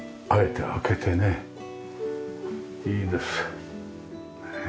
いいですね。